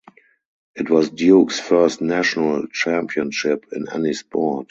It was Duke's first National Championship in any sport.